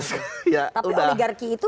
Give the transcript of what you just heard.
tapi oligarki itu